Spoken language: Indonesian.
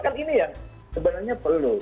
kan ini yang sebenarnya perlu